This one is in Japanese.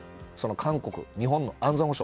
韓国、日本の安全保障。